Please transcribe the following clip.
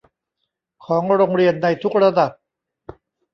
ของโรงเรียนในทุกระดับ